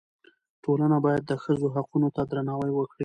ټولنه باید د ښځو حقونو ته درناوی وکړي.